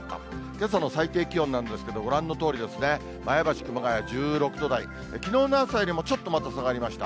けさの最低気温なんですけれども、ご覧のとおりですね、前橋、熊谷１６度台、きのうの朝よりもちょっとまた下がりました。